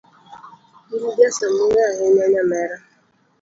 In ja samuoyo ahinya nyamera.